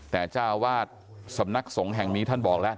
แต่เจ้าวาดสำนักสงฆ์แห่งนี้ท่านบอกแล้ว